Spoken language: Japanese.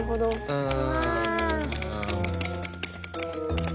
うん。